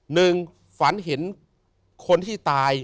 หนึ่งฝันเห็นคนที่ตาย